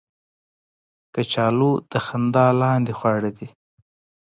کچالو د خندا لاندې خواړه دي